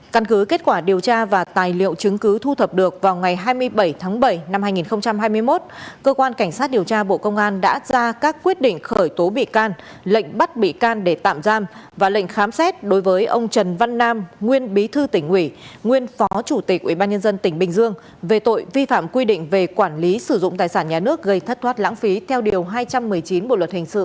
căn cứ kết quả điều tra và tài liệu chứng cứ thu thập được vào ngày hai mươi bảy tháng bảy năm hai nghìn hai mươi một cơ quan cảnh sát điều tra bộ công an đã ra các quyết định khởi tố bị can lệnh bắt bị can để tạm giam và lệnh khám xét đối với ông trần văn nam nguyên bí thư tỉnh nguyễn nguyên phó chủ tịch ủy ban nhân dân tỉnh bình dương về tội vi phạm quy định về quản lý sử dụng tài sản nhà nước gây thất thoát lãng phí theo điều hai trăm một mươi chín bộ luật hình sự